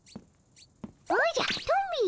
おじゃトミー。